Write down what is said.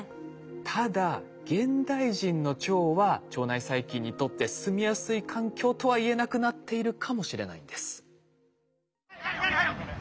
ただ現代人の腸は腸内細菌にとって住みやすい環境とは言えなくなっているかもしれないんです。